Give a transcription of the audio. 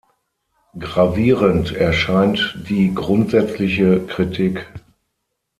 Gravierend erscheint die grundsätzliche Kritik.